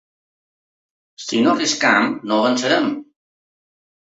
Si no arrisquem, no avançarem.